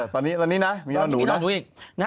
ตอนนี้มีนอนูนะตอนนี้มีนอนูอีก